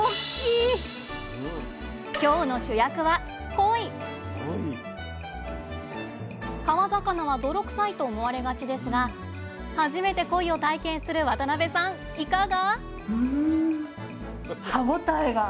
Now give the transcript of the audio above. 今日の主役は川魚は泥臭いと思われがちですが初めてコイを体験する渡辺さんいかが？